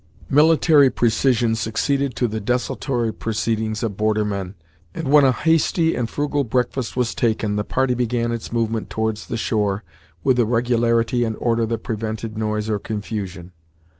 Military precision succeeded to the desultory proceedings of border men, and when a hasty and frugal breakfast was taken, the party began its movement towards the shore with a regularity and order that prevented noise or confusion.